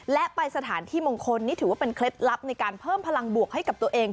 และไปสถานที่มงคลนี่ถือว่าเป็นเคล็ดลับในการเพิ่มพลังบวกให้กับตัวเอง